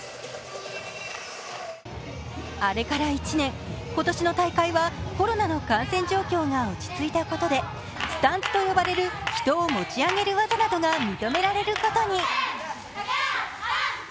あれから１年、今年の大会はコロナの感染状況が落ち着いたことでスタンツと呼ばれる人を持ち上げる技が認められることに。